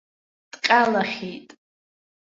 Дҟьалахьеит.